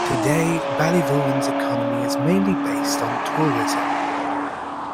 Today, Ballyvaughan's economy is mainly based on tourism.